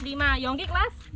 kelas lima yonggi kelas